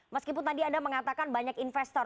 meskipun tadi anda mengatakan banyak investor